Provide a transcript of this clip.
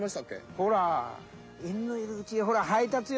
ほら犬のいるうちほらはいたつよ。